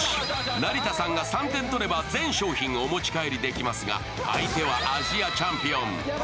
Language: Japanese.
成田さんが３点取れば全商品お持ち帰りできますが、相手はアジアチャンピオン。